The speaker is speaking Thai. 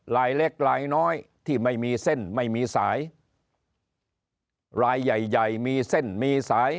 ลายเล็กลายน้อยที่ไม่มีเส้นไม่มีสายลายใหญ่ใหญ่มีเส้นมีสาย